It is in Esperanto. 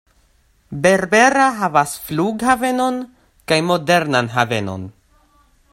Berbera havas flughavenon kaj modernan havenon.